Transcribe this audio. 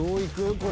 これ。